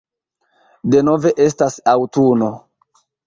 Denove estas aŭtuno.